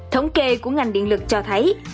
thống kê của ngành điện lực cho thấy